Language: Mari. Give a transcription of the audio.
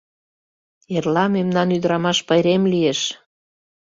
Эрла мемнан ӱдырамаш пайрем лиеш.